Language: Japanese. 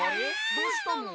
どうしたの？